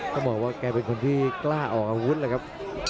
ก็บอกว่ากล้าออกอาวุธละครับ